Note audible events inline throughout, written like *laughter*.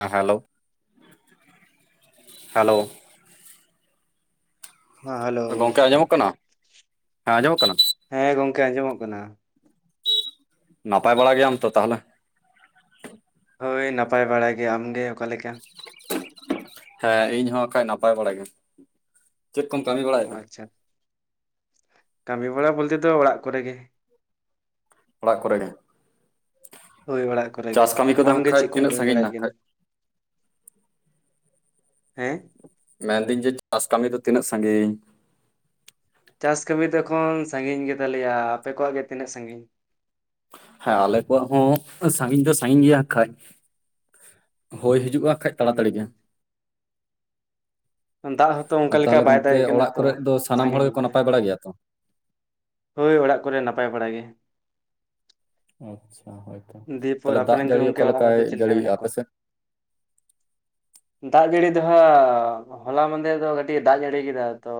ᱦᱮ hello hello ᱦᱮᱸ hello ᱜᱚᱝᱠᱮ ᱟᱸᱡᱚᱢᱚᱜ ᱠᱟᱱᱟ ᱦᱮᱸ ᱟᱸᱡᱚᱢᱚᱜ ᱠᱟᱱᱟ ᱦᱮᱸ ᱜᱚᱝᱠᱮ ᱟᱸᱡᱚᱢᱚᱜ ᱠᱟᱱᱟ᱾ ᱱᱟᱯᱟᱭ ᱵᱟᱲᱟ ᱜᱮᱭᱟᱢ ᱛᱚ ᱛᱟᱦᱚᱞᱮ? ᱦᱳᱭ ᱱᱟᱯᱟᱭ ᱵᱟᱲᱟᱭ ᱜᱮ᱾ ᱟᱢᱜᱮ ᱚᱠᱟᱮᱠᱟ? ᱦᱮᱸ ᱤᱧ ᱦᱚᱠᱷᱟᱡ ᱱᱟᱯᱟᱭ ᱵᱟᱲᱟ ᱜᱮ᱾ ᱪᱮᱫ ᱠᱚᱢ ᱠᱟᱹᱢᱤ ᱚ ᱵᱟᱲᱟᱭᱮᱫᱟ? ᱟᱪᱪᱷᱟ ᱠᱟᱹᱢᱤ ᱵᱟᱲᱟ ᱵᱚᱞᱛᱮ ᱫᱚ ᱚᱲᱟᱜ ᱠᱚᱨᱮ ᱜᱮ᱾ ᱚᱲᱟᱜ ᱠᱚᱨᱮ ᱜᱮ᱾ ᱦᱳᱭ ᱚᱲᱟᱜ ᱠᱚᱨᱮ ᱜᱮ ᱪᱟᱥ ᱠᱟᱹᱢᱤ ᱠᱚᱫᱚ ᱦᱟᱸᱜ ᱟᱢᱜᱮ ᱠᱷᱟᱡ ᱪᱮᱫ ᱠᱚᱢ ᱛᱤᱱᱟᱹᱜ ᱠᱟᱹᱢᱤ ᱥᱟᱺᱜᱤᱧ ᱵᱟᱲᱟᱭᱮᱫ ᱱᱟ ᱜᱮᱭᱟ? ᱠᱷᱟᱡ ᱦᱮᱸ ᱢᱮᱱᱫᱟᱹᱧ ᱡᱮ ᱪᱟᱥ ᱠᱟᱹᱢᱤ ᱫᱚ ᱛᱤᱱᱟᱹᱜ ᱥᱟᱸᱜᱤᱧ ᱪᱟᱥ ᱠᱟᱹᱢᱤ ᱫᱚ ᱮᱠᱷᱚᱱ ᱥᱟᱺᱜᱤᱧ ᱜᱮ ᱛᱟᱞᱮᱭᱟ ᱟᱯᱮ ᱠᱚᱣᱟᱜ ᱜᱮ ᱛᱤᱱᱟᱹᱜ ᱥᱟᱺᱜᱤᱧ ᱦᱮᱸ ᱟᱞᱮ ᱠᱚᱣᱟᱜ ᱦᱚᱸ ᱥᱟᱺᱜᱤᱧ ᱫᱚ ᱥᱟᱺᱜᱤᱧ ᱜᱮᱭᱟ ᱠᱷᱟᱱ ᱦᱳᱭ ᱦᱤᱡᱩᱜᱼᱟ ᱠᱷᱟᱡ ᱛᱟᱲᱟ ᱛᱟᱹᱲᱤ ᱜᱮ ᱫᱟᱜ ᱦᱚᱸᱛᱚ ᱟᱨ ᱚᱱᱠᱟ ᱞᱮᱠᱟ ᱛᱟᱦᱚᱞᱮ ᱵᱟᱭ ᱜᱚᱝᱠᱮ ᱫᱟᱜᱮᱜ ᱠᱟᱱᱟ ᱚᱲᱟᱜ ᱛᱚ ᱠᱚᱨᱮ ᱫᱚ ᱥᱟᱱᱟᱢ ᱦᱚᱲ ᱥᱟᱺᱜᱤᱧ ᱧᱚᱜ ᱜᱮᱠᱚ ᱜᱮᱭᱟ ᱱᱟᱯᱟᱭ ᱵᱟᱲᱟ ᱛᱚ ᱦᱳᱭ ᱚᱲᱟᱜ ᱠᱚᱨᱮ ᱱᱟᱯᱟᱭ ᱵᱟᱲᱟᱜ ᱜᱮ ᱟᱪᱪᱷᱟ ᱦᱳᱭᱛᱚ ᱫᱤᱭᱮᱯᱚᱨ ᱛᱟᱦᱚᱞᱮ ᱫᱟᱜ ᱟᱯᱮᱨᱮᱱ ᱡᱟᱹᱲᱤ ᱜᱚᱝᱠᱮ ᱚᱠᱟ ᱚᱲᱟᱜ ᱦᱚᱲ ᱞᱮᱠᱟᱭ ᱫᱚ ᱪᱮᱫ ᱞᱮᱠᱟ ᱡᱟᱹᱲᱤᱭᱮᱫᱟ ᱢᱮᱱᱟᱜ ᱟᱯᱮ ᱠᱚᱣᱟ? ᱥᱮᱫ? ᱫᱟᱜ ᱡᱟᱹᱲᱤ ᱫᱚᱦᱟᱸᱟᱜ ᱦᱚᱞᱟ ᱢᱟᱸᱦᱫᱮᱨ ᱫᱚ ᱠᱟᱹᱴᱤᱡ ᱫᱟᱜ ᱡᱟᱹᱲᱤ ᱠᱮᱫᱟ ᱛᱚ᱾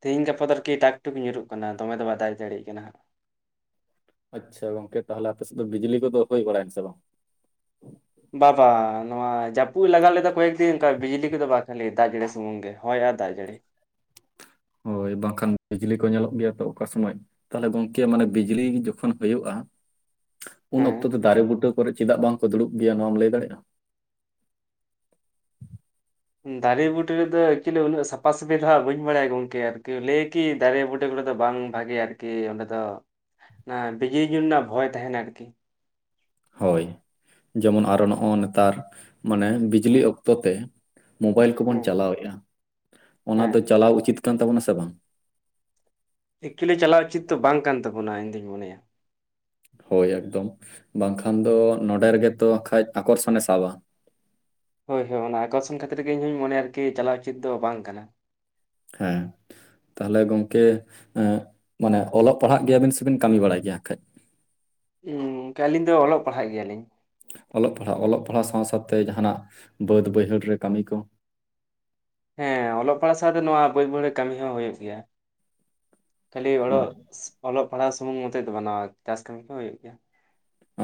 ᱛᱤᱦᱤᱧ ᱜᱟᱯᱟ ᱫᱚ ᱟᱨᱠᱤ ᱴᱟᱠ ᱴᱩᱠ ᱧᱩᱨᱩᱜ ᱠᱟᱱᱟ ᱫᱚᱢᱮ ᱫᱚ ᱵᱟᱭ ᱫᱟᱜ ᱡᱟᱹᱲᱤᱭᱮᱜ ᱠᱟᱱᱟ ᱦᱟᱸᱜ᱾ ᱟᱪᱪᱷᱟ ᱜᱚᱝᱠᱮ ᱛᱟᱦᱚᱞᱮ ᱟᱯᱮ ᱥᱮᱫ ᱫᱚ ᱵᱤᱡᱽᱞᱤ ᱠᱚᱫᱚ ᱦᱩᱭ ᱵᱟᱲᱟᱭᱮ ᱥᱮ ᱵᱟᱝ? ᱵᱟ ᱵᱟ ᱱᱚᱣᱟ ᱡᱟᱹᱯᱩᱫ ᱞᱟᱜᱟᱣ ᱞᱮᱫᱟ ᱠᱚᱭᱮᱠ ᱫᱤᱱ ᱚᱱᱠᱟ ᱵᱤᱡᱽᱞᱤ ᱠᱚᱫᱚ ᱵᱟᱝ ᱠᱷᱟᱞᱤ ᱫᱟᱜ ᱡᱟᱲᱤ ᱥᱩᱢᱩᱝ ᱜᱮ᱾ ᱦᱚᱭ ᱟᱨ ᱫᱟᱜ ᱡᱟᱹᱲᱤ᱾ ᱦᱳᱭ ᱵᱟᱝ ᱠᱷᱟᱱ ᱵᱤᱡᱽᱞᱤ ᱠᱚ ᱧᱮᱞᱚᱜ ᱜᱮᱭᱟ ᱛᱚ ᱚᱠᱟ ᱥᱚᱢᱚᱭ᱾ ᱛᱟᱦᱚᱞᱮ ᱜᱚᱝᱠᱮ ᱢᱟᱱᱮ ᱵᱤᱡᱽᱞᱤ ᱡᱚᱠᱷᱚᱱ ᱦᱩᱭᱩᱜᱼᱟ᱾ ᱩᱱ ᱚᱠᱛᱚ ᱫᱚ ᱦᱮᱸ ᱫᱟᱨᱮ ᱵᱩᱴᱟᱹ ᱠᱚᱨᱮ ᱪᱮᱫᱟᱜ ᱵᱟᱝ ᱠᱚ ᱫᱩᱲᱩᱵ ᱜᱮᱭᱟ ᱱᱚᱣᱟᱢ ᱞᱟᱹᱭ ᱫᱟᱲᱮᱭᱟᱜᱼᱟ? ᱫᱟᱨᱮ ᱵᱩᱴᱟᱹ ᱨᱮᱫᱚ ᱮᱠᱪᱚᱞᱤ ᱩᱱᱟᱹᱜ ᱥᱟᱯᱷᱟ ᱥᱟᱹᱯᱤ ᱫᱚ ᱦᱟᱸᱜ ᱵᱟᱹᱧ ᱵᱟᱲᱟᱭᱟ ᱜᱚᱝᱠᱮ ᱟᱨᱠᱤ ᱞᱟᱹᱭ ᱠᱤ ᱫᱟᱨᱮ ᱵᱩᱴᱟᱹ ᱠᱚᱨᱮ ᱫᱚ ᱵᱟᱝ ᱵᱷᱟᱜᱮ ᱟᱨᱠᱤ ᱚᱸᱰᱮ ᱫᱚ ᱚᱱᱟ ᱵᱤᱡᱽᱞᱤ ᱧᱩᱨ ᱨᱮᱱᱟᱜ ᱵᱷᱚᱭ ᱛᱟᱦᱮᱱᱟ ᱟᱨᱠᱤ᱾ ᱦᱳᱭ ᱡᱮᱢᱚᱱ ᱟᱨᱚ ᱱᱚᱜᱼᱚ ᱱᱮᱛᱟᱨ ᱢᱟᱱᱮ ᱵᱤᱡᱽᱞᱤ ᱚᱠᱛᱚ ᱛᱮ᱾ ᱢᱳᱵᱟᱭᱤᱞ ᱠᱚᱵᱚᱱ ᱦᱮᱸ ᱪᱟᱞᱟᱣᱮᱫᱼᱟ ᱚᱱᱟ ᱦᱮᱸ ᱫᱚ ᱪᱟᱞᱟᱣ ᱩᱪᱤᱛ ᱠᱟᱱ ᱛᱟᱵᱚᱱᱟ ᱥᱮ ᱵᱟᱝ? ᱮᱠᱪᱩᱞᱤ ᱪᱟᱞᱟᱣ ᱩᱪᱤᱛ ᱫᱚ ᱵᱟᱝ ᱠᱟᱱ ᱛᱟᱵᱚᱱᱟ ᱤᱧ ᱫᱩᱧ ᱢᱚᱱᱮᱭᱟ᱾ ᱦᱳᱭ ᱮᱠᱫᱚᱢ ᱵᱟᱝ ᱠᱷᱟᱱ ᱫᱚ ᱱᱚᱰᱮ ᱨᱮᱜᱮ ᱛᱚ ᱠᱷᱟᱡ ᱟᱠᱚᱨᱥᱚᱱᱮ ᱥᱟᱵᱟ᱾ ᱦᱳᱭ ᱦᱳᱭ ᱚᱱᱟ ᱟᱠᱚᱨᱥᱚᱱ ᱠᱷᱟᱹᱛᱤᱨ ᱜᱮ ᱤᱧ ᱦᱚᱧ ᱢᱚᱱᱮᱭᱟ ᱟᱨᱠᱤ ᱪᱟᱞᱟᱣ ᱚᱪᱤᱛ ᱫᱚ ᱵᱟᱝ ᱠᱟᱱᱟ᱾ ᱦᱮᱸ᱾ ᱛᱟᱦᱚᱞᱮ ᱜᱚᱝᱠᱮ ᱢᱟᱱᱮ ᱚᱞᱚᱜ ᱯᱟᱲᱦᱟᱜ ᱜᱮᱭᱟᱵᱤᱱ ᱥᱮᱵᱤᱱ ᱠᱟᱹᱢᱤ ᱵᱟᱲᱟᱭ ᱜᱮᱭᱟ ᱠᱷᱟᱡ? ᱦᱮᱸ ᱜᱚᱢᱠᱮ ᱟᱹᱞᱤᱧ ᱫᱚ ᱚᱞᱚᱜ ᱯᱟᱲᱦᱟᱜ ᱜᱮᱭᱟᱞᱤᱧ᱾ ᱚᱞᱚᱜ ᱯᱟᱲᱦᱟᱜ ᱚᱞᱚᱜ ᱯᱟᱲᱦᱟᱣ ᱥᱟᱶ ᱥᱟᱶᱛᱮ ᱡᱟᱦᱟᱱᱟᱜ ᱵᱟᱹᱫ ᱵᱟᱹᱭᱦᱟᱹᱲ ᱨᱮ ᱠᱟᱹᱢᱤ ᱠᱚ? ᱦᱮᱸ ᱚᱞᱚᱜ ᱯᱟᱲᱦᱟᱜ ᱥᱟᱶᱛᱮ ᱱᱚᱣᱟ ᱵᱟᱹᱛ ᱵᱟᱹᱭᱦᱟᱹᱲ ᱠᱟᱹᱢᱤ ᱦᱚᱸ ᱦᱩᱭᱩᱜ ᱜᱮᱭᱟ᱾ ᱠᱷᱟᱹᱞᱤ ᱚᱞᱚᱜ ᱦᱳᱭ ᱚᱞᱚᱜ ᱯᱟᱲᱦᱟᱜ ᱥᱩᱢᱩᱝ ᱢᱚᱛᱮ ᱫᱚ ᱱᱚᱣᱟ ᱪᱟᱥ ᱠᱟᱹᱢᱤ ᱠᱚ ᱦᱩᱭᱩᱜ ᱜᱮᱭᱟ᱾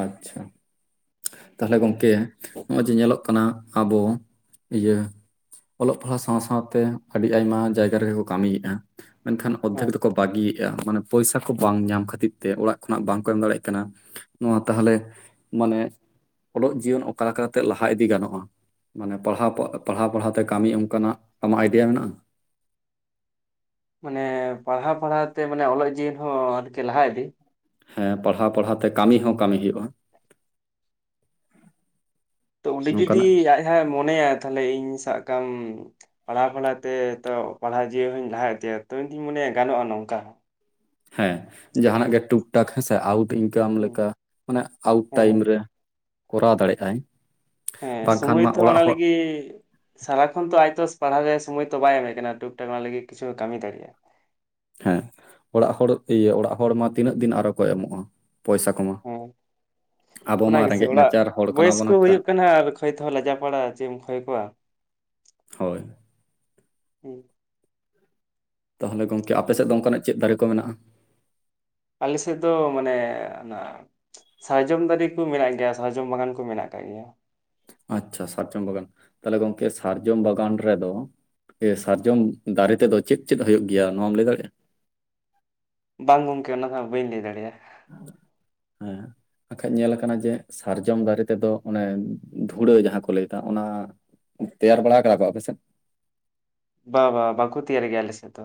ᱟᱪᱪᱷᱟ᱾ ᱛᱟᱦᱚᱞᱮ ᱦᱳᱭ ᱜᱚᱢᱠᱮ ᱱᱚᱜᱼᱚᱭ ᱡᱮ ᱧᱮᱞᱚᱜ ᱠᱟᱱᱟ ᱟᱵᱚ ᱤᱭᱟᱹ᱾ ᱚᱞᱚᱜ ᱯᱟᱲᱦᱟᱣ ᱥᱟᱶ ᱥᱟᱶᱛᱮ ᱟᱹᱰᱤ ᱟᱭᱢᱟ ᱡᱟᱭᱜᱟ ᱨᱮᱜᱮ ᱠᱚ ᱠᱟᱹᱢᱤᱭᱮᱫᱼᱟ᱾ ᱢᱮᱱᱠᱷᱟᱱ ᱚᱫᱽᱫᱷᱮᱠ ᱦᱳᱭ ᱫᱚᱠᱚ ᱵᱟᱹᱜᱤᱭᱮᱫᱟ᱾ ᱢᱟᱱᱮ ᱯᱚᱭᱥᱟ ᱠᱚ ᱵᱟᱝ ᱧᱟᱢ ᱠᱷᱟᱹᱛᱤᱨ ᱛᱮ ᱚᱲᱟᱜ ᱠᱷᱚᱱᱟᱜ ᱵᱟᱝ ᱠᱚ ᱮᱢ ᱫᱟᱲᱮᱭᱟᱜ ᱠᱟᱱᱟ᱾ ᱱᱚᱣᱟ ᱛᱟᱦᱚᱞᱮ ᱢᱟᱱᱮ ᱚᱞᱚᱜ ᱡᱤᱭᱚᱱ ᱚᱠᱟ ᱞᱮᱠᱟᱛᱮ ᱞᱟᱦᱟ ᱤᱫᱤ ᱜᱟᱱᱚᱜᱼᱟ? ᱢᱟᱱᱮ ᱯᱟᱲᱦᱟᱣ ᱯᱟᱲᱦᱟᱣ ᱯᱟᱲᱦᱟᱣ ᱛᱮ ᱠᱟᱹᱢᱤ ᱚᱱᱠᱟᱱᱟᱜ ᱟᱢᱟᱜ ᱟᱭᱰᱤᱭᱟ ᱢᱮᱱᱟᱜᱼᱟ? ᱢᱟᱱᱮ ᱯᱟᱲᱦᱟᱣ ᱯᱟᱲᱦᱟᱣ ᱛᱮ ᱢᱟᱱᱮ ᱚᱞᱚᱜ ᱡᱤᱭᱚᱱ ᱦᱚᱸ ᱟᱨᱠᱤ ᱞᱟᱦᱟ ᱤᱫᱤ? ᱦᱮᱸ ᱯᱟᱲᱦᱟᱣ ᱯᱟᱲᱦᱟᱣ ᱛᱮ ᱠᱟᱹᱢᱤ ᱦᱚᱸ ᱠᱟᱹᱢᱤ ᱦᱩᱭᱩᱜᱼᱟ᱾ ᱛᱚ ᱚᱸᱰᱮ ᱡᱩᱫᱤ ᱱᱚᱝᱠᱟᱱᱟᱜ ᱟᱡ ᱦᱟᱸᱜ ᱢᱚᱱᱮᱭᱟᱭ ᱛᱟᱦᱚᱞᱮ ᱤᱧ ᱥᱟᱵ ᱠᱟᱢ ᱯᱟᱲᱦᱟᱣ ᱯᱟᱲᱦᱟᱣ ᱛᱮ ᱛᱚ ᱯᱟᱲᱦᱟᱣ ᱡᱤᱭᱟᱹᱣ ᱦᱚᱧ ᱞᱟᱦᱟ ᱤᱫᱤᱭᱟ ᱛᱚ ᱤᱧᱫᱚᱧ ᱢᱚᱱᱮᱭᱟ ᱜᱟᱱᱚᱜᱼᱟ ᱱᱚᱝᱠᱟ᱾ ᱦᱮᱸ ᱡᱟᱦᱱᱟᱜ ᱜᱮ ᱴᱩᱠ ᱴᱟᱠ ᱦᱮᱸᱥᱮ ᱟᱣᱩᱴ ᱤᱱᱠᱟᱢ ᱦᱩᱸ ᱞᱮᱠᱟ᱾ ᱢᱟᱱᱮ ᱟᱣᱩᱴ ᱦᱮᱸ ᱴᱟᱭᱤᱢ ᱦᱮᱸ ᱨᱮ ᱠᱚᱨᱟᱣ ᱫᱟᱲᱮᱜᱼᱟᱭ᱾ ᱦᱮᱸ ᱥᱚᱢᱚᱭ ᱛᱚ ᱚᱱᱟ ᱞᱟᱹᱜᱤᱫ ᱥᱟᱨᱟ ᱠᱷᱚ ᱱᱚᱱ ᱛᱚ ᱟᱡ ᱛᱚ ᱯᱟᱲᱦᱟᱣ ᱨᱮ ᱥᱚᱢᱚᱭ ᱛᱚ ᱵᱟᱭ ᱮᱢᱮᱜ ᱠᱟᱱᱟ ᱴᱩᱠ ᱴᱟᱠ ᱚᱱᱟ ᱞᱟᱹᱜᱤᱫ ᱠᱤᱪᱷᱩ ᱠᱟᱹᱢᱤ ᱫᱟᱲᱮᱭᱟᱜᱼᱟ ᱦᱮᱸ ᱚᱲᱟᱜ ᱦᱚᱲ ᱤᱭᱟᱹ ᱚᱲᱟᱜ ᱦᱚᱲ ᱢᱟ ᱛᱤᱱᱟᱹᱜ ᱫᱤᱱ ᱟᱨᱚᱦᱚᱸ ᱠᱚ ᱮᱢᱚᱜᱼᱟ ᱯᱚᱭᱥᱟ ᱠᱚᱢᱟᱣ ᱦᱮᱸ ᱚᱱᱟᱜᱮᱥᱮ ᱚᱲᱟᱜ ᱱᱟᱪᱟᱨ ᱦᱚᱲ ᱠᱟᱱᱟ ᱵᱚᱭᱮᱥ ᱵᱚᱱ ᱠᱚ ᱦᱟᱸᱜ ᱠᱷᱟᱡ ᱦᱩᱭᱩᱜ ᱠᱟᱱᱟ ᱟᱨ ᱠᱷᱚᱭ ᱛᱮᱦᱚᱸ ᱞᱟᱡᱟ ᱯᱟᱲᱟ ᱪᱮᱫ ᱮᱢ ᱠᱷᱚᱭ ᱠᱚᱣᱟ ᱦᱚᱭ ᱦᱮᱸ ᱛᱟᱦᱚᱞᱮ ᱜᱚᱝᱠᱮ ᱟᱯᱮ ᱥᱮᱫ ᱫᱚ ᱚᱱᱠᱟᱱᱟᱜ ᱪᱮᱫ ᱫᱟᱨᱮ ᱠᱚ ᱢᱮᱱᱟᱜᱼᱟ? ᱟᱞᱮ ᱥᱮᱫ ᱫᱚ ᱢᱟᱱᱮ ᱚᱱᱟ ᱥᱟᱨᱡᱚᱢ ᱫᱟᱨᱮ ᱠᱚ ᱢᱮᱱᱟᱜ ᱜᱮᱭᱟ ᱥᱟᱨᱡᱚᱢ ᱵᱟᱜᱟᱱ ᱠᱚ ᱢᱮᱱᱟᱜ ᱟᱠᱟᱜ ᱜᱮᱭᱟ᱾ ᱟᱪᱪᱷᱟ ᱥᱟᱨᱡᱚᱢ ᱵᱟᱜᱟᱱ ᱛᱟᱦᱚᱞᱮ ᱜᱚᱝᱠᱮ ᱥᱟᱨᱡᱚᱢ ᱵᱟᱜᱟᱱ ᱨᱮᱫᱚ ᱮ ᱥᱟᱨᱡᱚᱢ ᱫᱟᱨᱮ ᱛᱮᱫᱚ ᱪᱮᱫ ᱪᱮᱫ ᱦᱩᱭᱩᱜᱭ ᱜᱮᱭᱟ ᱱᱚᱣᱟᱢ ᱞᱟᱹᱭ ᱫᱟᱲᱮᱭᱟᱜᱼᱟ? ᱵᱟᱝ ᱜᱚᱢᱠᱮ ᱚᱱᱟ ᱫᱚ ᱦᱟᱸᱜ ᱵᱟᱹᱧ ᱞᱟᱹᱭ ᱫᱟᱲᱮᱭᱟᱜᱼᱟ᱾ ᱦᱮᱸ ᱵᱟᱠᱷᱟᱡ ᱧᱮᱞ ᱟᱠᱟᱱᱟ ᱡᱮ ᱥᱟᱨᱡᱚᱢ ᱫᱟᱨᱮ ᱛᱮᱫᱚ ᱚᱱᱮ ᱫᱷᱩᱲᱟᱹ ᱡᱟᱦᱟᱸ ᱠᱚ ᱞᱟᱹᱭ ᱮᱫᱟ ᱚᱱᱟ ᱛᱮᱭᱟᱨ ᱵᱟᱲᱟ ᱦᱟᱠᱟᱜ ᱟᱠᱚ ᱟᱯᱮ ᱥᱮᱫ ᱵᱟ ᱵᱟ ᱵᱟᱠᱩ ᱛᱤᱭᱟᱨ ᱜᱮᱭᱟ ᱟᱞᱮᱥᱮᱫ ᱫᱚ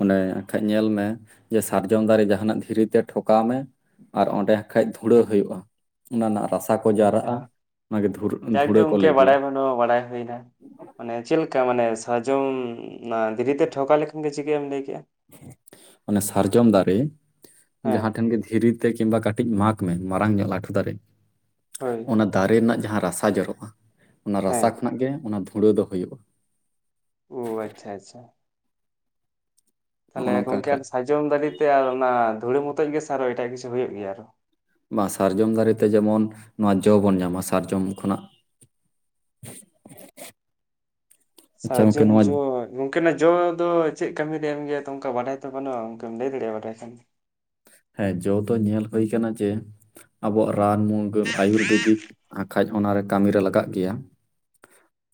ᱚᱱᱮ ᱮᱠᱷᱟᱡ ᱧᱮᱞ ᱢᱮ ᱡᱮ ᱥᱟᱨᱡᱚᱢ ᱫᱟᱨᱮ ᱡᱟᱦᱟᱱᱟᱜ ᱫᱷᱤᱨᱤ ᱛᱮ ᱴᱷᱚᱠᱟᱣ ᱢᱮ ᱟᱨ ᱚᱸᱰᱮ ᱠᱷᱟᱡ ᱫᱷᱩᱲᱟᱹ ᱦᱩᱭᱩᱜᱼᱟ ᱚᱱᱟ ᱨᱮᱱᱟᱜ ᱨᱟᱥᱟ ᱟ ᱠᱚ ᱡᱟᱣ ᱟᱪᱪᱷᱟ ᱨᱟᱜᱼᱟ ᱚᱮ ᱡᱟᱜᱮ ᱫᱷᱩᱲᱟᱹ ᱠᱚ ᱜᱚᱢᱠᱮ ᱞᱟ. ᱭ ᱜᱮᱭᱟ ᱵᱟᱲᱟᱭ ᱵᱟᱹᱱᱩᱜᱼᱟ ᱵᱟᱲᱟᱭ ᱦᱩᱭᱱᱟ ᱢᱟᱱᱮ ᱪᱮᱫ ᱞᱮᱠᱟ ᱢᱟᱱᱮ ᱥᱟᱨᱡᱚᱢ ᱚᱱᱟ ᱫᱷᱤᱨᱤᱛᱮ ᱴᱷᱚᱠᱟᱣ ᱞᱮᱠᱷᱟᱱ ᱜᱮ ᱪᱤᱠᱟᱹ ᱮᱢ ᱞᱟᱹᱭ ᱠᱮᱫᱜᱼᱟ ᱚᱱᱮ ᱥᱟᱨᱡᱚᱢ ᱫᱟᱨᱮ ᱦᱮᱸ ᱡᱟᱦᱟᱸ ᱴᱷᱮᱱ ᱜᱮ ᱫᱷᱤᱨᱤ ᱠᱤᱢᱵᱟ ᱠᱟᱹᱴᱤᱡ ᱢᱟᱜᱽ ᱢᱮ ᱢᱟᱨᱟᱝ ᱧᱚᱜ ᱞᱟᱴᱩ ᱫᱟᱨᱮ ᱦᱳᱭ ᱚᱱᱟ ᱫᱟᱨᱮ ᱨᱮᱱᱟᱜ ᱡᱟᱦᱟᱸ ᱨᱟᱥᱟ ᱡᱚᱨᱚᱜᱼᱟ ᱚᱱᱟ ᱨᱟᱥᱟ ᱦᱮᱸ ᱠᱷᱚᱱᱟᱜ ᱜᱮ ᱚᱱᱟ ᱫᱷᱩᱲᱟᱹ ᱫᱚ ᱦᱩᱭᱩᱜᱼᱟ ᱚ ᱟᱪ ᱪᱷᱟ ᱟᱪ ᱪᱷᱟ ᱱᱚᱜᱼᱚ ᱛᱟᱦᱚᱞᱮ ᱱᱚᱝᱠᱟ ᱜᱚᱢᱠᱮ ᱠᱷᱟᱡ ᱟᱨ ᱥᱟᱨᱡᱚᱢ ᱫᱟᱨᱮᱛᱮ ᱟᱨ ᱚᱱᱟ ᱫᱷᱩᱲᱟᱹ ᱢᱚᱛᱚᱡ ᱜᱮ ᱟᱨᱚ ᱮᱴᱟᱜ ᱠᱤᱪᱷᱩ ᱦᱩᱭᱩᱜ ᱜᱮᱭᱟ ᱟᱨᱚ ᱵᱟᱝ ᱥᱟᱨᱡᱚᱢ ᱫᱟᱨᱮᱛᱮ ᱡᱮᱢᱚᱱ ᱱᱚᱣᱟ ᱡᱚ ᱵᱚᱱ ᱧᱟᱢᱟ ᱥᱟᱨᱡᱚᱢ ᱠᱷᱚᱱᱟᱜ *unintelligible* ᱟᱪᱪᱷᱟ ᱜᱚᱝᱠᱮ ᱥᱟᱨᱡᱚᱢ ᱱᱚᱣᱟ ᱡᱚ ᱜᱚᱝᱠᱮᱱᱟᱜ ᱡᱚ ᱫᱚ ᱪᱮᱫ ᱠᱟᱹᱢᱤ ᱨᱮ ᱮᱢ ᱜᱮᱭᱟ ᱛᱚ ᱚᱱᱠᱟ ᱵᱟᱰᱟᱭ ᱛᱚ ᱵᱟᱹᱱᱩᱜᱼᱟ ᱚᱱᱠᱟᱢ ᱞᱟᱹᱭ ᱫᱟᱲᱮᱭᱟᱜᱼᱟ ᱵᱟᱰᱟᱭ ᱠᱷᱟᱱ ᱦᱮᱸ ᱡᱚ ᱫᱚ ᱧᱮᱞ ᱦᱩᱭ ᱟᱠᱟᱱᱟ ᱡᱮ ᱟᱵᱚᱣᱟᱜ ᱨᱟᱱ ᱢᱩᱨᱜᱟᱹᱱ ᱟᱭᱩᱨᱵᱮᱫᱤᱠ ᱟᱠᱷᱟᱡ ᱚᱱᱟᱨᱮ ᱠᱟᱹᱢᱤᱨᱮ ᱞᱟᱜᱟᱣᱜ ᱜᱮᱭᱟ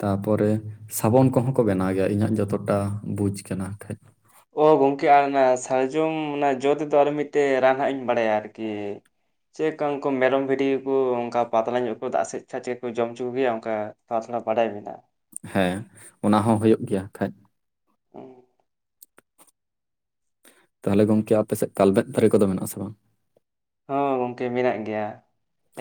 ᱛᱟᱯᱚᱨᱮ ᱥᱟᱵᱚᱱ ᱠᱚᱦᱚᱸ ᱠᱚ ᱵᱮᱱᱟᱣ ᱜᱮᱭᱟ ᱤᱧᱟᱹᱜ ᱡᱚᱛᱚᱴᱟ ᱵᱩᱡᱽ ᱠᱟᱱᱟ ᱠᱷᱟᱡ ᱚ ᱜᱚᱢᱠᱮ ᱟᱨ ᱚᱱᱟ ᱥᱟᱨᱡᱚᱢ ᱚᱱᱟ ᱡᱚ ᱛᱮᱫᱚ ᱟᱨ ᱢᱤᱫᱴᱮᱡ ᱨᱟᱱ ᱦᱟᱜ ᱤᱧ ᱵᱟᱰᱟᱭᱟ ᱟᱨᱠᱤ ᱪᱮᱫ ᱞᱮᱠᱟ ᱩᱱᱠᱩ ᱢᱮᱨᱚᱢ ᱵᱷᱤᱰᱤ ᱭᱟᱠᱚ ᱚᱱᱠᱟ ᱯᱟᱛᱞᱟ ᱧᱚᱜ ᱟᱠᱚ ᱫᱟᱜ ᱥᱮᱡ ᱪᱮᱫ ᱠᱚ ᱡᱚᱢ ᱦᱚᱪᱚ ᱠᱚ ᱜᱮᱭᱟ ᱚᱱᱠᱟ ᱛᱷ ᱛᱷᱚᱲᱟ ᱵᱟᱰᱟᱭ ᱢᱮᱱᱟᱜᱼᱟ ᱦᱮᱸ ᱚᱱᱟ ᱦᱚᱸ ᱦᱩᱭᱩᱜ ᱜᱮᱭᱟ ᱠᱷᱟᱡ ᱚ ᱛᱟᱦᱚᱞᱮ ᱜᱚᱝᱠᱮ ᱟᱯᱮ ᱥᱮᱫ ᱠᱟᱞᱵᱮᱫ ᱫᱟᱨᱮ ᱠᱚᱫᱚ ᱢᱮᱱᱟᱜ ᱟᱥᱮ ᱵᱟᱝ ᱦᱚᱸ ᱜᱚᱝᱠᱮ ᱢᱮᱱᱟᱜ ᱜᱮᱭᱟ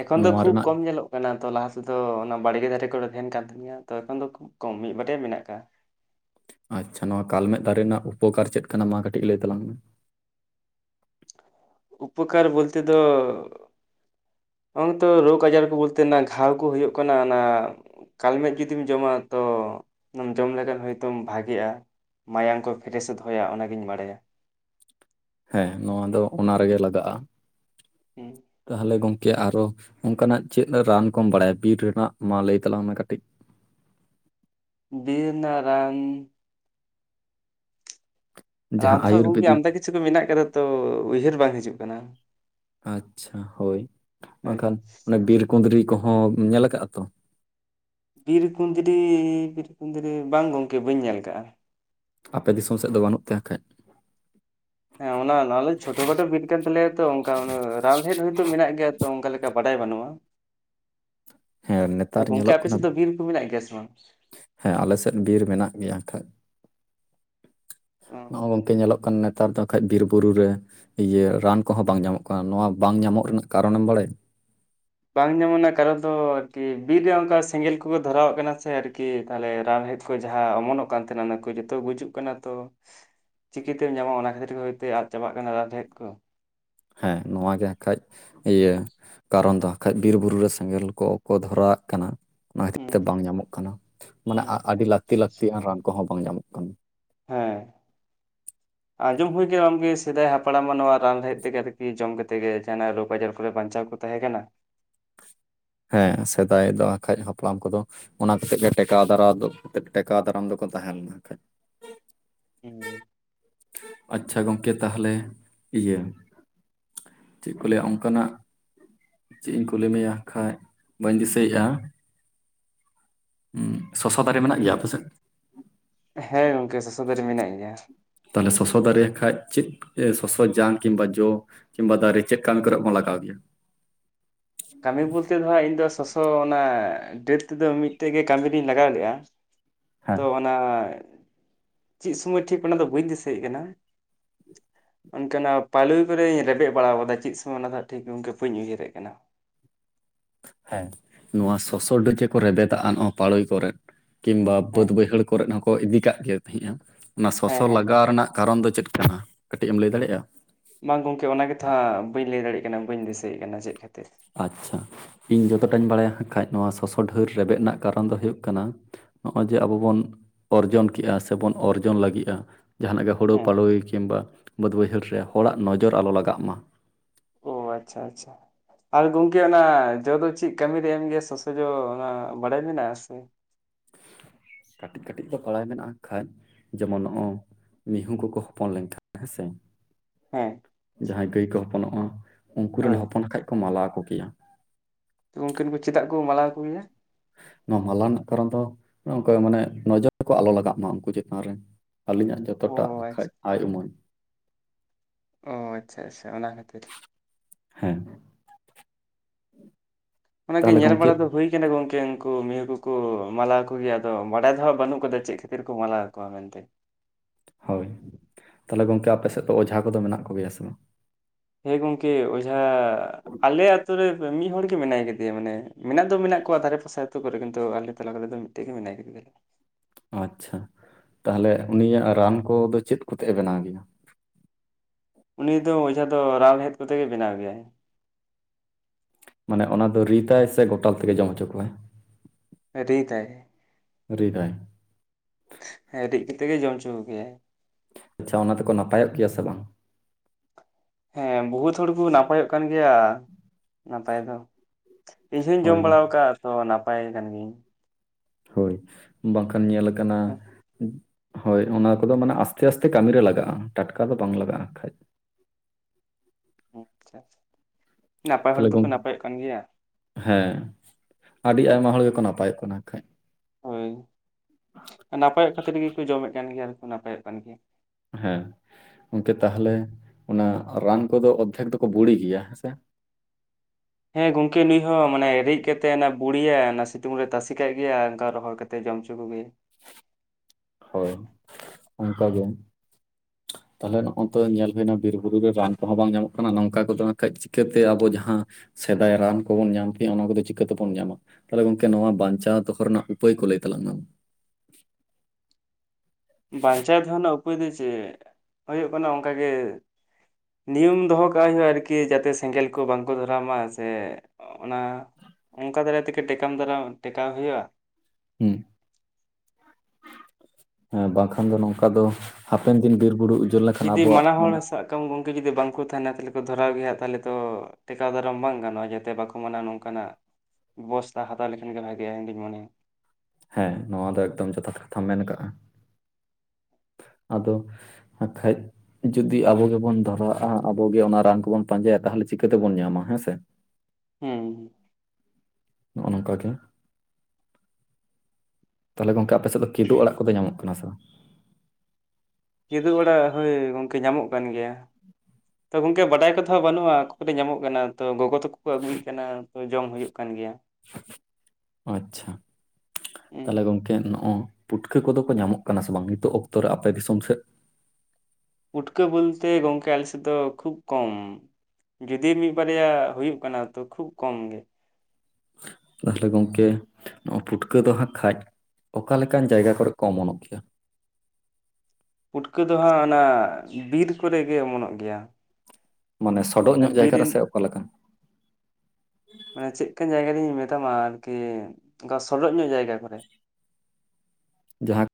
ᱮᱠᱷᱚᱱ ᱫᱚ ᱱᱚᱣᱟ ᱠᱷᱩᱵ ᱨᱮᱱᱟᱜ ᱠᱚᱢ ᱧᱮᱞᱚᱜ ᱠᱟᱱᱟ ᱠᱟᱱᱟ ᱛᱚ ᱞᱟᱦᱟ ᱛᱮᱫᱚ ᱚᱱᱟ ᱵᱟᱲᱜᱮ ᱫᱷᱟᱨᱮ ᱠᱚ ᱛᱟᱦᱮᱱ ᱠᱟᱱ ᱛᱤᱧᱟᱹ ᱛᱚ ᱮᱠᱷᱚᱱ ᱫᱚ ᱠᱷᱩᱵ ᱠᱚᱢ ᱢᱤᱫ ᱵᱟᱨᱭᱟ ᱢᱮᱱᱟᱜ ᱟᱠᱟᱜᱼᱟ ᱟᱪ ᱪᱷᱟ ᱱᱚᱣᱟ ᱠᱟᱞᱢᱮᱫ ᱫᱟᱨᱮ ᱨᱮᱱᱟᱜ ᱩᱯᱚᱠᱟᱨ ᱪᱮᱫ ᱠᱟᱱᱟ ᱢᱟ ᱠᱟᱹᱴᱤᱡ ᱞᱟᱹᱭ ᱛᱟᱞᱟᱝ ᱢᱮ ᱩᱯᱠᱟᱨ ᱵᱚᱞᱛᱮ ᱫᱚ ᱵᱟᱝ ᱛᱚ ᱨᱚᱜᱽ ᱟᱡᱟᱨ ᱠᱚ ᱵᱚᱞᱛᱮ ᱚᱱᱟ ᱜᱷᱟᱣ ᱠᱚ ᱦᱩᱭᱩᱜ ᱠᱟᱱᱟ ᱚᱱᱟ ᱠᱟᱞᱢᱮᱜ ᱡᱩᱫᱤᱢ ᱡᱚᱢᱟ ᱛᱚ ᱚᱱᱟ ᱡᱚᱢ ᱞᱮᱠᱷᱟᱱ ᱦᱚᱚᱭᱛᱢ ᱵᱷᱟᱜᱮᱜᱼᱟ ᱢᱟᱭᱟᱝ ᱠᱚ ᱯᱷᱮᱨᱮᱥ ᱫᱚᱦᱚᱭᱟ ᱚᱱᱟᱜᱤᱧ ᱵᱟᱰᱟᱭᱟ ᱦᱮᱸ ᱱᱚᱣᱟ ᱫᱚ ᱚᱱᱟ ᱨᱮᱜᱮ ᱞᱟᱜᱟᱣᱜᱼᱟ ᱦᱩᱸ, ᱛᱟᱦᱚᱞᱮ ᱜᱚᱝᱠᱮ ᱪᱮᱫ ᱟᱨᱚ ᱦᱚ, ᱚᱱᱠᱟᱱᱟᱜ ᱪᱮᱫ ᱨᱟᱱ ᱠᱚᱢ ᱵᱟᱰᱟᱭᱟ, ᱵᱤᱨ ᱨᱮᱱᱟᱜ ᱢᱟ ᱞᱟᱹᱭ ᱛᱟᱞᱟᱝ ᱢᱮ ᱠᱟᱹᱴᱤᱡ᱾ ᱵᱤᱨ ᱱᱟ ᱨᱟᱱ ᱡᱟᱦᱟᱸ ᱟᱱᱛᱷᱟᱞ ᱜᱚᱝᱠᱮ ᱟᱭᱩᱨᱵᱮᱫᱤᱠ ᱟᱱᱠᱟ ᱠᱤᱪᱷᱩ ᱯᱮ ᱢᱮᱛᱟᱜ ᱠᱟᱱᱟ ᱛᱚ ᱩᱭᱦᱟᱹᱨ ᱵᱟᱝ ᱦᱤᱡᱩᱜ ᱠᱟᱱᱟ᱾ ᱟᱪᱪᱷᱟ ᱦᱳᱭ ᱦᱳᱭ ᱵᱟᱝᱠᱷᱟᱱ ᱚᱱᱮ ᱵᱤᱨ ᱠᱩᱸᱫᱽᱨᱤ ᱠᱚᱦᱚᱸ ᱧᱮᱞᱟ ᱟᱠᱟᱜᱼᱟ ᱛᱚ᱾ ᱵᱤᱨ ᱠᱩᱸᱫᱽᱨᱤ, ᱵᱤᱨ ᱠᱩᱸᱫᱽᱨᱤ ᱵᱟᱝ ᱜᱚᱝᱠᱮ ᱵᱟᱹᱧ ᱧᱮᱞ ᱟᱠᱟᱟᱜᱼᱟ? ᱟᱯᱮ ᱫᱤᱥᱚᱢ ᱥᱮᱫ ᱫᱚ ᱵᱟᱹᱱᱩᱜ ᱛᱮ ᱮᱱᱠᱷᱟᱡ? ᱦᱮᱸ ᱚᱱᱟ᱾ ᱚᱱᱟ ᱫᱚ ᱪᱷᱚᱴᱚ ᱠᱷᱟᱴᱚ ᱵᱤᱴ ᱠᱟᱱ ᱛᱟᱞᱮᱭᱟ ᱛᱚ᱾ ᱚᱱᱠᱟ ᱚᱱᱟ ᱨᱟᱱᱦᱮᱫ ᱦᱳᱭᱛᱳ ᱢᱮᱱᱟᱜ ᱜᱮᱭᱟ᱾ ᱛᱚ ᱚᱱᱠᱟ ᱞᱮᱠᱟ ᱵᱟᱰᱟᱭ ᱵᱟᱹᱱᱩᱜᱼᱟ᱾ ᱦᱮᱸ ᱛᱚ ᱱᱮᱛᱟᱨ ᱜᱚᱝᱠᱮ ᱧᱮᱞᱚᱜ ᱟᱯᱮ ᱠᱟᱱᱟ ᱥᱮᱫ ᱫᱚ ᱵᱤᱨ ᱠᱚ ᱢᱮᱱᱟᱜ ᱜᱮᱭᱟ ᱥᱮ ᱵᱟᱝ? ᱦᱮᱸ ᱟᱞᱮᱥᱮᱫ ᱵᱤᱨ ᱢᱮᱱᱟᱜ ᱜᱮᱭᱟ᱾ ᱠᱷᱟᱡ ᱚ ᱱᱚᱜᱼᱚᱭ ᱜᱚᱝᱠᱮ ᱧᱮᱞᱚᱜ ᱠᱟᱱ ᱱᱮᱛᱟᱨ ᱫᱚ ᱠᱷᱟᱡ ᱵᱤᱨ ᱵᱩᱨᱩ ᱨᱮ ᱤᱭᱟᱹ ᱨᱟᱱ ᱠᱚᱦᱚᱸ ᱵᱟᱝ ᱧᱟᱢᱚᱜ ᱠᱟᱱᱟ ᱱᱚᱣᱟ ᱵᱟᱝ ᱧᱟᱢᱚᱜ ᱨᱮᱱᱟᱜ ᱠᱟᱨᱚᱱᱢ ᱵᱟᱰᱟᱭᱟ ᱵᱟᱝ ᱧᱟᱢᱚᱜᱱᱟ ᱠᱟᱨᱚᱱ ᱫᱚ ᱟᱨᱠᱤ ᱵᱤᱨ ᱨᱮ ᱚᱱᱠᱟ ᱥᱮᱸᱜᱮᱞ ᱠᱚᱠᱚ ᱫᱷᱚᱨᱟᱣᱟᱜ ᱠᱟᱱᱟ ᱥᱮ ᱟᱨᱠᱤ ᱛᱟᱦᱚᱞᱮ ᱨᱟᱱᱦᱚ ᱠᱚ ᱡᱟᱦᱟᱸ ᱚᱢᱚᱱᱚᱜ ᱠᱟᱱ ᱛᱟᱦᱮᱱᱟ ᱚᱱᱟ ᱠᱚ ᱡᱚᱛᱚ ᱜᱩᱡᱩᱜ ᱠᱟᱱᱟ ᱛᱚ ᱪᱤᱠᱟᱹᱛᱮᱢ ᱧᱟᱢᱟ ᱚᱱᱟ ᱠᱷᱟᱹᱛᱤᱨ ᱜᱮ ᱦᱚᱭ ᱟᱫ ᱪᱟᱵᱟᱜ ᱠᱟᱱᱟ ᱨᱟᱱ ᱴᱷᱮᱫ ᱠᱚ ᱦᱮᱸ ᱱᱚᱣᱟ ᱜᱮ ᱠᱷᱟᱡ ᱤᱭᱟᱹ ᱠᱟᱨᱚᱱ ᱫᱚ ᱵᱟᱠᱷᱟᱡ ᱵᱤᱨᱼᱵᱩᱨᱩ ᱨᱮ ᱥᱮᱸᱜᱮᱞ ᱠᱚᱠᱚ ᱫᱷᱚᱨᱟᱣᱟᱜ ᱠᱟᱱᱟ᱾ ᱚᱱᱟ ᱦᱚᱛᱤᱨ ᱦᱩᱸ ᱛᱮ ᱵᱟᱝ ᱧᱟᱢᱚᱜ ᱠᱟᱱᱟ᱾ ᱢᱟᱱᱮ ᱦᱩᱸ ᱟᱹᱰᱤ ᱞᱟᱹᱠᱛᱤ ᱞᱟᱹᱠᱛᱤᱭᱟᱱ ᱨᱟᱱ ᱠᱚᱦᱚᱸ ᱵᱟᱝ ᱧᱟᱢᱚᱜ ᱠᱟᱱᱟ᱾ ᱦᱮᱸ᱾ *inaudible* ᱟᱸᱡᱚᱢ ᱦᱩᱭ ᱜᱮᱭᱟᱢ ᱟᱢᱜᱮ, ᱥᱮᱫᱟᱭ ᱦᱟᱯᱲᱟᱢᱣᱟᱜ ᱱᱚᱣᱟ ᱨᱟᱱ ᱨᱮᱦᱮᱫ ᱛᱮᱜᱮ ᱟᱨᱠᱤ ᱡᱚᱢ ᱠᱟᱛᱮ ᱜᱮ ᱡᱟᱦᱱᱟᱜ ᱨᱳᱜᱽ ᱟᱡᱟᱨ ᱠᱚᱨᱮ ᱵᱟᱧᱪᱟᱣ ᱠᱚ ᱛᱟᱦᱮᱸ ᱠᱟᱱᱟ᱾ ᱦᱮᱸ ᱥᱮᱫᱟᱭ ᱫᱚ ᱟᱠᱷᱟᱡ ᱦᱟᱯᱲᱟᱢ ᱠᱚᱫᱚ ᱚᱱᱟ ᱠᱚᱛᱮ ᱜᱮ ᱴᱮᱠᱟᱣ ᱫᱟᱨᱟᱣ ᱫᱚ ᱴᱮᱠ ᱴᱮᱠᱟ ᱫᱟᱨᱟᱢ ᱫᱚᱠᱚ ᱛᱟᱦᱮᱸ ᱠᱷᱟᱡ᱾ ᱦᱩᱸ᱾ ᱟᱪᱪᱷᱟ ᱜᱚᱝᱠᱮ ᱛᱟᱦᱞᱮ ᱤᱭᱟᱹ, ᱪᱮᱫ ᱠᱚ ᱞᱟᱹᱭᱟ ᱚᱱᱠᱟᱱᱟᱜ ᱪᱮᱫ ᱤᱧ ᱠᱩᱞᱤ ᱢᱮᱭᱟ ᱠᱷᱟᱡ ᱵᱟᱹᱧ ᱫᱤᱥᱟᱹᱭᱮᱫᱼᱟ᱾ ᱩᱸ ᱥᱚᱥᱚ ᱫᱟᱨᱮ ᱢᱮᱱᱟᱜ ᱜᱮᱭᱟ ᱟᱯᱮ ᱥᱮᱫ? ᱦᱮᱸ ᱜᱚᱝᱠᱮ ᱥᱚᱥᱚ ᱫᱟᱨᱮ ᱢᱮᱱᱟᱜ ᱜᱮᱭᱟ᱾ ᱛᱟᱦᱞᱮ ᱥᱚᱥᱚ ᱫᱟᱨᱮ ᱠᱷᱟᱱᱡ ᱪᱮᱫ? ᱮ ᱥᱚᱥᱚ ᱡᱟᱝ ᱠᱤ ᱵᱟᱝ ᱡᱚ? ᱠᱤᱢᱵᱟ ᱫᱟᱨᱮ ᱪᱮᱫ ᱠᱟᱹᱢᱤ ᱠᱚᱨᱮ ᱵᱚᱱ ᱞᱟᱜᱟᱣ ᱜᱮᱭᱟ? ᱠᱟᱹᱢᱤ ᱵᱚᱞᱛᱮ ᱫᱚ ᱦᱟᱸᱜ ᱤᱧ ᱫᱚ ᱥᱚᱥᱚ ᱚᱱᱟ ᱰᱟᱹᱨ ᱛᱮᱫᱚ ᱢᱤᱫᱴᱮᱡ ᱜᱮ ᱠᱟᱹᱢ ᱨᱤᱧ ᱞᱟᱜᱟᱣ ᱞᱮᱫᱼᱟ᱾ ᱦᱮᱸ ᱛᱚ ᱚᱱᱟ, ᱪᱮᱫ ᱥᱚᱢᱚᱭ ᱴᱷᱤᱠ ᱚᱱᱟ ᱫᱚ ᱵᱟᱹᱧ ᱫᱤᱥᱟᱹᱭᱮᱫ ᱠᱟᱱᱟ᱾ ᱚᱱᱠᱟᱱᱟᱜ ᱯᱟᱞᱩᱭ ᱠᱚᱨᱮᱧ ᱨᱮᱵᱮᱫ ᱵᱟᱲᱟᱣ ᱠᱟᱫᱟ ᱪᱮᱫ ᱥᱚᱢᱚᱭ ᱚᱱᱟ ᱫᱚ ᱦᱟᱸᱜ ᱴᱷᱤᱠ ᱚᱱᱠᱟ ᱵᱟᱹᱧ ᱩᱭᱦᱟᱹᱨᱮᱫ ᱠᱟᱱᱟ᱾ ᱦᱮᱸ ᱱᱚᱣᱟ ᱥᱚᱥᱚ ᱰᱟᱹᱨ ᱪᱮᱫ ᱠᱚ ᱨᱮᱵᱮᱫᱼᱟ ᱱᱚᱶᱟ ᱯᱟᱲᱳᱭ ᱠᱚᱨᱮ᱾ ᱠᱤᱢᱵᱟ ᱦᱮᱸ ᱵᱟᱹᱫᱽ ᱵᱟᱹᱭᱦᱟᱹᱲ ᱠᱚᱨᱮᱱ ᱦᱚᱸᱠᱚ ᱤᱫᱤ ᱠᱟᱜ ᱜᱮᱭᱟ *unintelligible* ᱚᱱᱟ ᱦᱮᱸ ᱥᱚᱥᱚ ᱦᱮᱸ ᱦᱮᱸ ᱞᱟᱜᱟᱣ ᱨᱮᱱᱟᱜ ᱠᱟᱨᱚᱱ ᱫᱚ ᱪᱮᱫ ᱠᱟᱱᱟ? ᱠᱟᱹᱴᱤᱡ ᱮᱢ ᱞᱟᱹᱭ ᱫᱟᱲᱮᱭᱟᱜᱼᱟ? ᱵᱟᱝ ᱜᱚᱝᱠᱮ ᱚᱱᱟᱱᱟᱜᱮ ᱛᱚ ᱦᱟᱸᱜ, ᱵᱟᱹᱧ ᱞᱟᱹᱭ ᱫᱟᱲᱮᱭᱟᱜ ᱠᱟᱱᱟ᱾ ᱵᱟᱹᱧ ᱫᱤᱥᱟᱹᱭᱮᱫ ᱠᱟᱱᱟ ᱪᱮᱫ ᱠᱷᱟᱹᱛᱤᱨ᱾ ᱟᱪᱪᱷᱟ ᱤᱧ ᱡᱚᱛᱚᱴᱟᱧ ᱵᱟᱲᱟᱭᱟ ᱠᱷᱟᱡ ᱱᱚᱣᱟ ᱥᱚᱥᱚ ᱰᱷᱟᱹᱨ ᱨᱮᱵᱮᱫ ᱨᱮᱱᱟᱜ ᱠᱟᱨᱚᱱ ᱫᱚ ᱦᱩᱭᱩᱜ ᱠᱟᱱᱟ ᱱᱚᱜᱼᱚᱭ ᱡᱮ ᱟᱵᱚ ᱵᱚᱱ ᱚᱨᱡᱚᱱ ᱠᱮᱜᱼᱟ ᱥᱮᱵᱚᱱ ᱚᱨᱡᱚᱱ ᱞᱟᱹᱜᱤᱫᱼᱟ᱾ ᱡᱟᱦᱟᱱᱟᱜ ᱜᱮ ᱦᱳᱲᱳ ᱦᱮᱸ ᱯᱟᱲᱚᱭ, ᱠᱤᱢᱵᱟ ᱵᱟᱹᱫᱽ ᱵᱟᱹᱭᱦᱟᱹᱲ ᱨᱮ ᱦᱚᱲᱟᱜ ᱱᱚᱡᱚᱨ ᱟᱞᱚ ᱞᱟᱜᱟᱜ ᱢᱟ᱾ ᱚ ᱟᱪᱷᱟ ᱟᱪᱷᱟ᱾ ᱟᱨ ᱜᱚᱝᱠᱮ ᱚᱱᱟ ᱡᱚ ᱫᱚ ᱪᱮᱫ ᱠᱟᱹᱢᱤ ᱨᱮ ᱮᱢ ᱜᱮᱭᱟ ᱥᱚᱥᱚ ᱡᱚ, ᱚᱱᱟ ᱵᱟᱲᱟᱭ ᱢᱮᱱᱟᱜ ᱥᱮ? ᱠᱟᱹᱴᱤᱡ ᱠᱟᱹᱴᱤᱡ ᱫᱚ ᱵᱟᱲᱟᱭ ᱢᱮᱱᱟᱜᱼᱟ ᱠᱷᱟᱱᱡ, ᱡᱮᱢᱚᱱ ᱱᱚᱜ-ᱚ ᱢᱤᱦᱩ ᱠᱚᱠᱚ ᱦᱚᱯᱚᱱ ᱞᱮᱱᱠᱷᱟᱱ ᱦᱮᱸᱥᱮ᱾ ᱦᱮᱸ᱾ ᱡᱟᱦᱟᱸᱭ ᱜᱟᱹᱭ ᱠᱚ ᱦᱚᱯᱚᱱᱚᱜᱼᱟ ᱩᱱᱠᱩ ᱨᱤᱱ ᱦᱳᱭ ᱦᱚᱯᱚᱱ ᱠᱷᱟᱡ ᱠᱚ ᱢᱟᱞᱟ ᱟᱠᱚ ᱜᱮᱭᱟ᱾ ᱜᱚᱝᱠᱮ ᱩᱱᱠᱩ ᱪᱮᱫᱟᱜ ᱠᱚ ᱢᱟᱞᱟ ᱟᱠᱚ ᱜᱮᱭᱟ᱾ ᱱᱚᱣᱟ ᱢᱟᱞᱟ ᱨᱮᱱᱟᱜ ᱠᱟᱨᱚᱱ ᱫᱚ ᱱᱚᱜ-ᱚ ᱱᱚᱝᱠᱟ ᱢᱟᱱᱮ ᱱᱚᱡᱚᱨ ᱠᱚ ᱟᱞᱚ ᱞᱟᱜᱟᱜ ᱢᱟ ᱩᱱᱠᱩ ᱪᱮᱛᱟᱱ ᱨᱮ᱾ ᱟᱹᱞᱤᱧᱟᱜ ᱚ ᱡᱚᱛᱚᱴᱟᱜ ᱠᱷᱟᱡ ᱟᱪᱪᱷᱟ ᱟᱭ ᱩᱢᱟᱹᱱ᱾ ᱚᱻ ᱟᱪᱪᱷᱟ ᱟᱪᱪᱷᱟ ᱚᱱᱟ ᱠᱷᱟᱹᱛᱤᱨ᱾ ᱦᱮᱸ᱾ ᱚᱱᱟ ᱠᱟᱹᱡ ᱛᱟᱦᱚᱞᱮ ᱧᱮᱞ ᱜᱚᱢᱠᱮ ᱵᱟᱲᱟ ᱫᱚ ᱦᱩᱭ ᱟᱠᱟᱱᱟ ᱜᱚᱝᱠᱮ ᱩᱱ ᱳ ᱱᱤᱭᱟᱹ ᱠᱚᱠᱚ ᱢᱟᱞᱟ ᱟᱠᱚ ᱜᱮᱭᱟ ᱟᱫᱚ ᱵᱟᱰᱟᱭ ᱫᱚᱦᱚᱸ ᱵᱟᱹᱱᱩᱜ ᱟᱠᱟᱫᱟ ᱪᱮᱫ ᱠᱷᱟᱹᱛᱤᱨ ᱠᱚ ᱢᱟᱞᱟᱣᱠᱚᱣᱟ ᱢᱮᱱᱛᱮ ᱦᱳᱭ ᱛᱟᱦᱚᱞᱮ ᱜᱚᱝᱠᱮ ᱟᱯᱮ ᱥᱮᱫ ᱫᱚ ᱚᱡᱷᱟ ᱠᱚᱫᱚ ᱢᱮᱱᱟᱜ ᱠᱚᱜᱮᱭᱟ ᱥᱮ ᱵᱟᱝ ᱦᱮᱸ ᱜᱚᱝᱠᱮ ᱚᱡᱷᱟ ᱟᱞᱮ ᱟᱛᱳ ᱨᱮ ᱢᱤᱫ ᱦᱚᱲᱜ ᱜᱮ ᱢᱮᱱᱟᱭ ᱟᱠᱟᱫᱮᱭᱟ ᱢᱟᱱᱮ ᱢᱤᱫ ᱦᱚᱲ ᱢᱤᱫ ᱦᱚ ᱜᱮ ᱢᱮᱱᱟᱭ ᱠᱟᱫᱮᱭᱟ ᱢᱟᱱᱮ ᱢᱮᱱᱟᱜ ᱫᱚ ᱢᱮᱱᱟᱜ ᱠᱚᱣᱟ ᱫᱷᱟᱨᱮ ᱯᱟᱥᱮ ᱟᱹᱛᱩ ᱠᱚᱨᱮ ᱠᱤᱱᱛᱩ ᱟᱞᱮ ᱛᱟᱞᱟ ᱠᱚᱨᱮ ᱫᱚ ᱢᱤᱫᱴᱮᱡ ᱜᱮ ᱢᱮᱱᱟᱭᱟ *inaudible* ᱚᱟᱪᱪᱷᱟ ᱛᱟᱦᱚᱞᱮ ᱩᱱᱤᱭᱟᱜ ᱨᱟᱱ ᱠᱚᱫᱚ ᱪᱮᱫ ᱠᱚᱛᱮᱫ ᱮ ᱵᱮᱱᱟᱣ ᱜᱮᱭᱟ ᱩᱱᱤ ᱫᱚ ᱚᱡᱷᱟ ᱫᱚ ᱨᱟᱱ ᱨᱮᱦᱮᱫ ᱠᱚᱛᱮ ᱜᱮ ᱵᱮᱱᱟᱣ ᱜᱮᱭᱟᱭ ᱢᱟᱱᱮ ᱚᱱᱟ ᱫᱚ ᱨᱤᱫᱟᱭ ᱥᱮ ᱜᱚᱴᱟᱞ ᱛᱮᱜᱮ ᱡᱚᱢ ᱦᱚᱪᱚ ᱠᱚᱣᱟᱭ? ᱨᱤᱫᱟᱭ᱾ ᱨᱤᱫᱟᱭ᱾ ᱦᱮᱸ ᱨᱤᱫ ᱠᱟᱛᱮᱜ ᱜᱮ ᱡᱚᱢ ᱦᱚᱪᱚ ᱠᱚᱜᱮᱟᱭ᱾ ᱟᱪᱪᱷᱟ ᱚᱱᱟ ᱛᱮᱠᱚ ᱱᱟᱯᱟᱭᱚᱜ ᱜᱮᱭᱟ ᱥᱮ ᱵᱟᱝ? ᱦᱮᱸ ᱵᱚᱦᱩᱛ ᱦᱚᱲ ᱠᱚ ᱱᱟᱯᱟᱭᱚᱜ ᱠᱟᱱ ᱜᱮᱭᱟ᱾ ᱱᱟᱯᱟᱭ ᱫᱚ᱾ ᱤᱧ ᱦᱚᱧ ᱡᱚᱢ ᱦᱳᱭ ᱢᱟ ᱵᱟᱲᱟᱣ ᱟᱠᱟᱫᱼᱟ ᱛᱚ ᱱᱟᱯᱟᱭ ᱟᱠᱟᱱ ᱜᱤᱭᱟᱹᱧ᱾ ᱦᱳᱭ ᱵᱟᱝᱠᱷᱟᱱ ᱧᱮᱞ ᱠᱟᱱᱟ ᱦᱳᱭ ᱚᱱᱟ ᱠᱚᱫᱚ ᱢᱟᱱᱮ ᱟᱥᱛᱮ ᱟᱥᱛᱮ ᱠᱟᱹᱢᱤ ᱨᱮ ᱞᱟᱜᱟᱜ-ᱟ ᱴᱟᱴᱠᱟ ᱫᱚ ᱵᱟᱝ ᱞᱟᱜᱟᱜ-ᱟ ᱦᱟᱸᱜᱠᱷᱟᱡ ᱟᱪᱪᱷᱟ ᱱᱟᱯᱟᱭ ᱦᱚᱲ ᱛᱟᱦᱚᱞᱮ ᱫᱚᱠᱚ ᱜᱚᱝ ᱱᱟᱯᱟᱭᱚᱜ ᱠᱟᱱ ᱜᱮᱭᱟ ᱦᱮᱸ ᱟᱹᱰᱤ ᱟᱭᱢᱟ ᱦᱚᱲ ᱜᱮᱠᱚ ᱱᱟᱯᱟᱭᱚᱜ ᱠᱟᱱᱟ ᱦᱟᱸᱜᱠᱷᱟᱡ ᱦᱳᱭ ᱱᱟᱯᱟᱭᱚᱜ ᱠᱷᱟᱹᱛᱤᱨ ᱜᱮ ᱠᱚ ᱡᱚᱢᱮᱫ ᱠᱟᱱ ᱜᱮᱭᱟ ᱟᱨ ᱠᱚ ᱱᱟᱯᱟᱭᱚᱜ ᱠᱟᱱ ᱜᱮᱭᱟ ᱦᱮᱸ ᱜᱚᱝᱠᱮ ᱛᱟᱦᱚᱞᱮ ᱚᱱᱟ ᱨᱟᱱ ᱠᱚᱫᱚ ᱚᱨᱫᱷᱮᱠ ᱫᱚᱠᱚ ᱵᱩᱲᱤ ᱜᱮᱭᱟ ᱦᱮᱸᱥᱮ ᱦᱮᱸ ᱜᱚᱝᱠᱮ ᱱᱩᱭ ᱦᱚᱸ ᱢᱟᱱᱮ ᱨᱤᱫ ᱠᱟᱛᱮ ᱚᱱᱟ ᱵᱩᱲᱤᱭᱟ ᱚᱱᱟ ᱥᱤᱛᱩᱝ ᱨᱮᱭ ᱛᱟᱥᱮ ᱠᱟᱜ ᱜᱮᱭᱟ ᱟᱨ ᱚᱱᱠᱟ ᱨᱚᱦᱚᱲ ᱠᱟᱛᱮ ᱡᱚᱢ ᱦᱚᱪᱚ ᱠᱚᱜᱮ ᱦᱳᱭ ᱚᱱᱠᱟᱜᱮ ᱛᱟᱦᱚᱞᱮ ᱱᱚᱜ-ᱚᱭ ᱛᱚ ᱧᱮᱞ ᱦᱩᱭᱱᱟ ᱵᱤᱨ ᱵᱩᱨᱩ ᱨᱮ ᱨᱟᱱ ᱠᱚᱦᱚᱸ ᱵᱟᱝ ᱧᱟᱢᱚᱜ ᱠᱟᱱᱟ ᱱᱚᱝᱠᱟ ᱠᱚᱫᱚ ᱦᱟᱸᱜᱠᱷᱟᱡ ᱪᱤᱠᱟᱹᱛᱮ ᱟᱵᱚ ᱡᱟᱦᱟᱸ ᱥᱮᱫᱟᱭ ᱨᱟᱱ ᱠᱚᱵᱚᱱ ᱧᱟᱢ ᱠᱮ ᱚᱱᱟ ᱠᱚᱫᱚ ᱪᱤᱠᱟᱹ ᱛᱮᱵᱚᱱ ᱧᱟᱢᱟ ᱛᱟᱦᱚᱞᱮ ᱜᱚᱝᱠᱮ ᱱᱚᱣᱟ ᱵᱟᱧᱪᱟᱣ ᱫᱚᱦᱚ ᱨᱮᱱᱟᱜ ᱩᱯᱟᱹᱭ ᱠᱚ ᱞᱟᱹᱭ ᱛᱟᱞᱟᱝ ᱢᱮ ᱵᱟᱧᱪᱟᱣ ᱫᱚᱦᱚ ᱨᱮᱱᱟᱜ ᱩᱯᱟᱹᱭ ᱫᱚ ᱪᱮᱫ ᱦᱩᱭᱩᱜ ᱠᱟᱱᱟ ᱚᱱᱠᱟᱜᱮ ᱱᱤᱭᱚᱢ ᱫᱚᱦᱚ ᱠᱟᱜ ᱦᱩᱭᱩᱜ-ᱟ ᱟᱨᱠᱤ ᱡᱟᱛᱮ ᱥᱮᱸᱜᱮᱞ ᱠᱚ ᱵᱟᱝᱠᱚ ᱫᱷᱚᱨᱟᱣ ᱢᱟ ᱥᱮ ᱚᱱᱟ ᱚᱱᱠᱟ ᱫᱟᱨᱟᱭ ᱛᱮᱜᱮ ᱴᱮᱠᱟᱢ ᱫᱟᱨᱟᱢ ᱴᱮᱠᱟᱣ ᱦᱩᱭᱩᱜ-ᱟ ᱦᱩᱸ ᱦᱮᱸ ᱵᱟᱝᱠᱷᱟᱱ ᱫᱚ ᱱᱚᱝᱠᱟ ᱫᱚ ᱦᱟᱯᱮᱱ ᱫᱤᱱ ᱵᱤᱨ ᱵᱩᱨᱩ ᱩᱡᱟᱹᱲ ᱞᱮᱠᱷᱟᱱ ᱡᱩᱫᱤ ᱟᱵᱚᱣᱟᱜ ᱢᱟᱱᱟ ᱦᱚᱲ ᱢᱟᱱᱮ ᱥᱟᱜ ᱜᱚᱝᱠᱮ ᱡᱩᱫᱤ ᱵᱟᱝᱠᱚ ᱛᱟᱦᱮᱱᱟ ᱛᱟᱦᱚᱞᱮ ᱠᱚ ᱫᱷᱚᱨᱟᱣ ᱜᱮᱭᱟ ᱦᱟᱸᱜ ᱛᱟᱦᱚᱞᱮ ᱛᱚ ᱴᱮᱠᱟᱣ ᱫᱟᱨᱟᱢ ᱵᱟᱝ ᱜᱟᱱᱚᱜ-ᱟ ᱡᱟᱛᱮ ᱵᱟᱠᱚ ᱢᱟᱱᱟ ᱱᱚᱝᱠᱟ ᱚᱱᱠᱟᱱᱟᱜ ᱵᱮᱵᱚᱥᱛᱟ ᱦᱟᱛᱟᱣ ᱞᱮᱠᱷᱟᱱ ᱜᱮ ᱵᱷᱟᱜᱤᱜ-ᱟ ᱤᱧ ᱫᱩᱧ ᱢᱚᱱᱮᱭᱟ ᱦᱮᱸ ᱱᱚᱣᱟ ᱫᱚ ᱮᱠᱫᱚᱢ ᱡᱚᱛᱷᱟᱛ ᱠᱟᱛᱷᱟᱢ ᱢᱮᱱ ᱠᱟᱜ-ᱟ ᱟᱫᱚ ᱦᱟᱸᱜᱠᱷᱟᱡ ᱡᱩᱫᱤ ᱟᱵᱚ ᱜᱮᱵᱚᱱ ᱫᱷᱚᱨᱟᱣᱟᱜ-ᱟ ᱟᱵᱚ ᱜᱮ ᱚᱱᱟ ᱨᱟᱱ ᱠᱚᱵᱚᱱ ᱯᱟᱸᱡᱟᱭᱟ ᱛᱟᱦᱚᱞᱮ ᱪᱤᱠᱟᱹ ᱛᱮᱵᱚᱱ ᱧᱟᱢᱟ ᱦᱮᱸ ᱥᱮ ᱦᱮᱸ ᱱᱚᱜ-ᱚ ᱱᱚᱝᱠᱟ ᱜᱮ ᱛᱟᱦᱚᱞᱮ ᱜᱚᱝᱠᱮ ᱟᱯᱮ ᱥᱮᱫ ᱫᱚ ᱠᱤᱫᱩᱜ ᱟᱲᱟᱜ ᱠᱚ ᱫᱚ ᱧᱟᱢᱚᱜ ᱠᱟᱱᱟ ᱥᱮ ᱵᱟᱝ ᱠᱤᱫᱟᱹᱜ ᱟᱲᱟᱜ ᱦᱳᱭ ᱜᱚᱝᱠᱮ ᱧᱟᱢᱚᱜ ᱠᱟᱱ ᱜᱮᱭᱟ ᱛᱚ ᱜᱚᱝᱠᱮ ᱵᱟᱰᱟᱭ ᱠᱚᱛᱦᱚ ᱵᱟᱹᱱᱩᱜ-ᱟ ᱚᱠᱟ ᱠᱚ ᱧᱟᱢᱚᱜ ᱠᱟᱱᱟ ᱛᱚ ᱜᱚᱜᱚ ᱛᱟᱠᱚ ᱠᱚ ᱟᱹᱜᱩᱭᱮᱫ ᱠᱟᱱᱟ ᱛᱚ ᱡᱚᱢ ᱦᱩᱭᱩᱜ ᱠᱟᱱ ᱜᱮᱭᱟ ᱟᱪᱪᱷᱟ ᱦᱩᱸ ᱛᱟᱦᱚᱞᱮ ᱜᱚᱢᱠᱮ ᱱᱚᱜ-ᱚ ᱯᱩᱴᱠᱟᱹ ᱠᱚᱫᱚ ᱠᱚ ᱧᱟᱢᱚᱜ ᱠᱟᱱᱟ ᱥᱮ ᱵᱟᱝ ᱱᱤᱛᱚᱜ ᱚᱠᱛᱚ ᱨᱮ ᱟᱯᱮ ᱫᱤᱥᱚᱢ ᱥᱮᱫ ᱯᱩᱴᱠᱟᱹ ᱵᱚᱞᱛᱮ ᱜᱚᱝᱠᱮ ᱟᱞᱮᱥᱮᱫ ᱫᱚ ᱠᱷᱩᱵ ᱠᱚᱢ ᱡᱩᱫᱤ ᱢᱤᱫ ᱵᱟᱨᱭᱟ ᱦᱩᱭᱩᱜ ᱠᱟᱱᱟ ᱛᱚ ᱠᱷᱩᱵ ᱠᱚᱢ ᱜᱮ ᱛᱟᱦᱚᱞᱮ ᱜᱚᱝᱠᱮ ᱱᱚᱜ-ᱚ ᱯᱩᱴᱠᱟᱹ ᱫᱚ ᱦᱟᱸᱜᱠᱷᱟᱡ ᱚᱠᱟ ᱞᱮᱠᱟᱱ ᱡᱟᱭᱜᱟ ᱠᱚᱨᱮᱫ ᱠᱚ ᱚᱢᱚᱱᱚᱜ ᱜᱮᱭᱟ ᱯᱩᱴᱠᱟᱹ ᱫᱚ ᱦᱟᱸᱜ ᱚᱱᱟ ᱵᱤᱨ ᱠᱚᱨᱮ ᱜᱮ ᱚᱢᱚᱱᱚᱜ ᱜᱮᱭᱟ ᱢᱟᱱᱮ ᱥᱚᱰᱚᱜ ᱧᱚᱜ ᱵᱤᱨ ᱡᱟᱭᱜᱟ ᱨᱮᱱ ᱨᱮᱥᱮ ᱚᱠᱟᱞᱮᱠᱟ ᱢᱟᱱᱮ ᱪᱮᱫ ᱞᱮᱠᱟᱱ ᱡᱟᱭᱜᱟ ᱨᱤᱧ ᱢᱮᱛᱟᱢᱟ ᱟᱨᱠᱤ ᱚᱱᱠᱟ ᱥᱚᱰᱚᱜ ᱧᱚᱜ ᱡᱟᱭᱜᱟ ᱠᱚᱨᱮ᱾ ᱡᱟᱦᱟᱸ